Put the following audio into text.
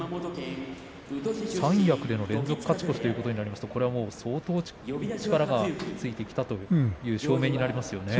三役での連続勝ち越しということになりますと相当、力がついてきたという証明になりますね。